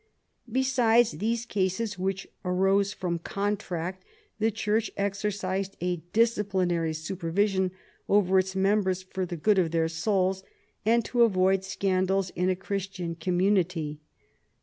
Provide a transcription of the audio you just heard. Besides these cases which arose from contract, the Church exercised a disciplinary supervision over its members for the good of their souls, and to avoid scandals in a Christian com munity.